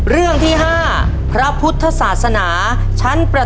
เรื่องบรรจุฐานครับ